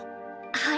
はい。